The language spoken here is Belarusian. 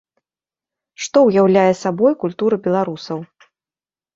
Што ўяўляе сабой культура беларусаў?